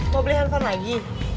mau beli handphone lagi